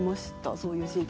そういうシーンが。